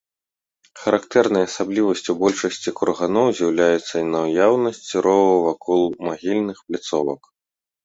Характэрнай асаблівасцю большасці курганоў з'яўляецца наяўнасць рова вакол магільных пляцовак.